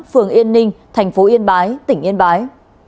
phường yên ninh tp yên bái tỉnh yên bái